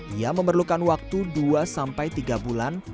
ia memerlukan waktu dua sampai tiga bulan